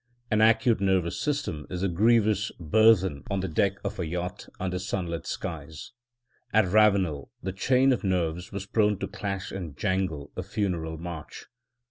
An acute nervous system is a grievous burthen on the deck of a yacht under sunlit skies: at Ravenel the chain of nerves was prone to clash and jangle a funeral march.